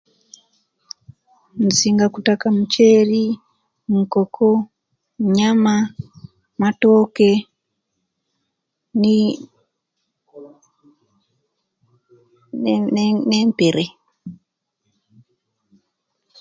Insinga kutaka mukyere nkoko, nyaama, matooke ni ne ne ne nempeere